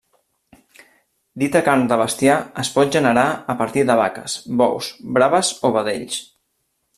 Dita carn de bestiar es pot generar a partir de vaques, bous, braves o vedells.